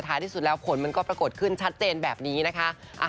ที่สุดแล้วผลมันก็ปรากฏขึ้นชัดเจนแบบนี้นะคะ